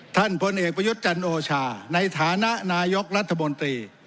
ท่านพลเอกประยุจจันทร์โอชาในฐานะนายกรัฐบนตรี